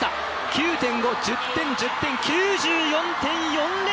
９．５、１０点、１０点９４．４０！